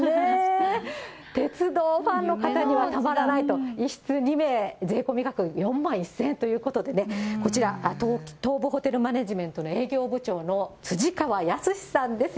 鉄道ファンの方にはたまらないと、１室２名税込み額４万１０００円ということで、東武ホテルマネジメントの営業部長の辻川靖さんです。